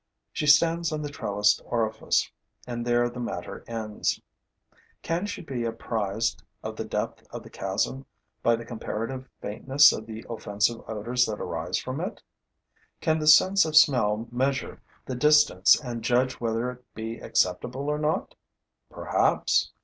She stands on the trellised orifice; and there the matter ends. Can she be apprised of the depth of the chasm by the comparative faintness of the offensive odors that arise from it? Can the sense of smell measure the distance and judge whether it be acceptable or not? Perhaps.